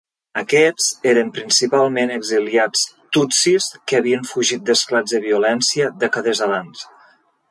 Aquests eren principalment exiliats tutsis que havien fugit d'esclats de violència dècades abans.